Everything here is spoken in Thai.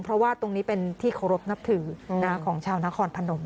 เพราะว่าตรงนี้เป็นที่เคารพนับถือของชาวนครพนม